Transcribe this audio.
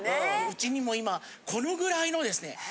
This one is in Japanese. うちにも今このぐらいのですね。